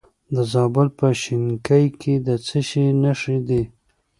د زابل په شنکۍ کې د څه شي نښې دي؟